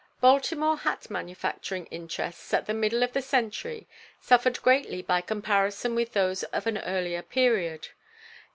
No. 11. Baltimore hat manufacturing interests at the middle of the century suffered greatly by comparison with those of an earlier period.